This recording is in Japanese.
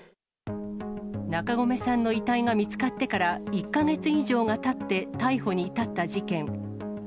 中込さんの遺体が見つかってから１か月以上がたって逮捕に至った事件。